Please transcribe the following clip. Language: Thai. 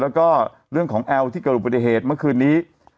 แล้วก็เรื่องของแอลที่เกิดอุบัติเหตุเมื่อคืนนี้